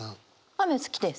雨好きです。